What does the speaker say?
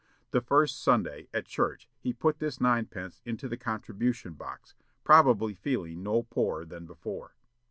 The first Sunday, at church, he put this ninepence into the contribution box, probably feeling no poorer than before.